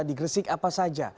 di gresik apa saja